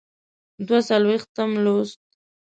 دوه څلویښتم لوست.